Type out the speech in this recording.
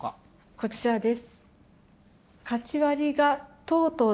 こちらです。